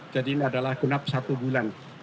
jadi ini adalah genap satu bulan